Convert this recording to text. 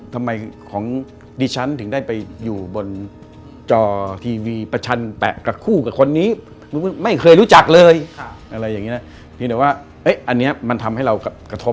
แต่ว่าอันนี้มันทำให้เรากระทบ